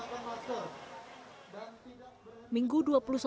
untuk selalu menggunakan masker